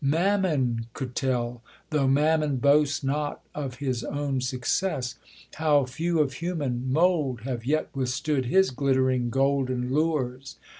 Mammon could tell, Though Mammon boasts not of his own success, How few of human mould have yet withstood His glittering, golden lures.